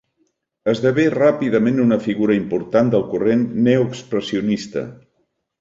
Esdevé ràpidament una figura important del corrent neoexpressionista.